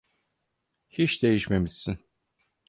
Hiç değişmemişsin.